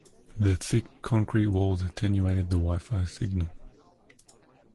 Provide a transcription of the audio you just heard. The thick concrete walls attenuated the wi-fi signal.